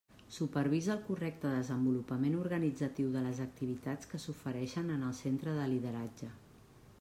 Supervisa el correcte desenvolupament organitzatiu de les activitats que s'ofereixen en el Centre de Lideratge.